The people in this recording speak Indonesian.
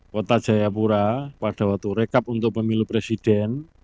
kota jayapura pada waktu rekap untuk pemilu presiden